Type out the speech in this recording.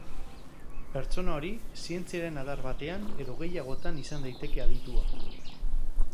Pertsona hori zientziaren adar batean edo gehiagotan izan daiteke aditua.